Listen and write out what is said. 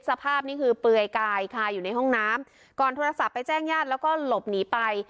สภาพนี้คือเปลือยกายค่ะอยู่ในห้องน้ำก่อนโทรศัพท์ไปแจ้งญาติแล้วก็หลบหนีไป